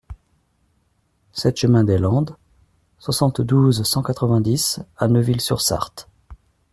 sept chemin d'Aillande, soixante-douze, cent quatre-vingt-dix à Neuville-sur-Sarthe